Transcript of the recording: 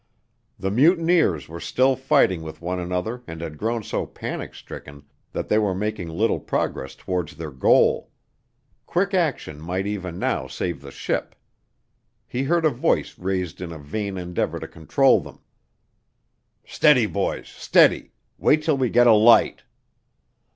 The mutineers were still fighting with one another and had grown so panic stricken that they were making little progress towards their goal. Quick action might even now save the ship. He heard a voice raised in a vain endeavor to control them. "Steady, boys, steady! Wait till we get a light."